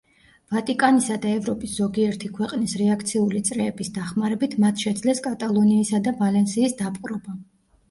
ვატიკანისა და ევროპის ზოგიერთი ქვეყნის რეაქციული წრეების დახმარებით მათ შეძლეს კატალონიისა და ვალენსიის დაპყრობა.